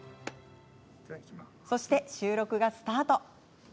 そして、収録がスタート。